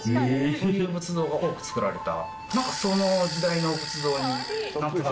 そういう仏像が多く造られた。